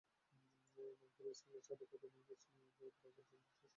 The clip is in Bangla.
মাইকেল স্মিথইংল্যান্ডের সাবেক অধিনায়ক স্মিথ গোটা পঞ্চাশেক টেস্ট খেলেছেন চোখে চশমা লাগিয়ে।